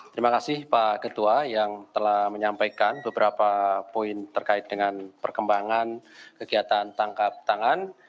terima kasih pak ketua yang telah menyampaikan beberapa poin terkait dengan perkembangan kegiatan tangkap tangan